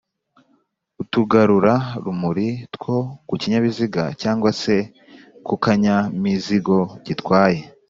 utugarura rumuri two kukinyabiziga cg se kukanyamizigo gitwaye